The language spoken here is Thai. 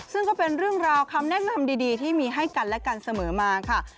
ซึ่งก็เป็นเรื่องราวคำแนะนำดีที่มีให้กันและกันเสมอมาค่ะ